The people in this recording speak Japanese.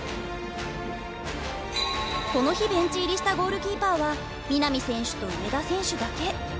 この日ベンチ入りしたゴールキーパーは南選手と上田選手だけ。